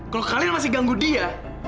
kalau kalian masih ganggu dia